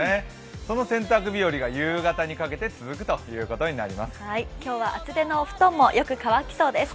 その洗濯日和が夕方にかけて続くということになりそうです。